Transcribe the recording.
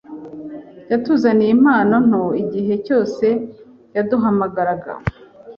Yatuzaniye impano nto igihe cyose yaduhamagaraga.